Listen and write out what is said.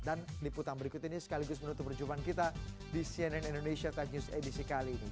dan liputan berikut ini sekaligus menutup perjumpaan kita di cnn indonesia tech news edisi kali ini